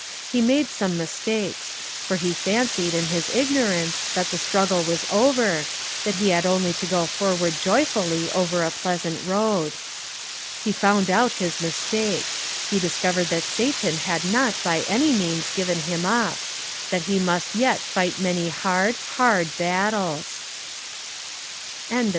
He made some mistakes; for he fancied, in his ignorance, that the struggle was over, that he had only to go forward joyfully over a pleasant road. He found out his mistake: he discovered that Satan had not by any means given him up; that he must yet fight many hard, hard battles. CHAPTER VII.